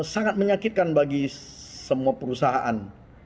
sangat menyakitkan bagi semua perusahaan